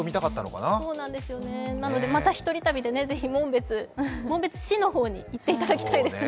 なので、またひとり旅でぜひ、紋別市の方に行っていただきたいですね。